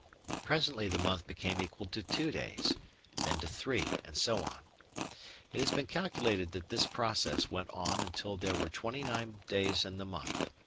Presently the month became equal to two days, then to three, and so on. It has been calculated that this process went on until there were twenty nine days in the month.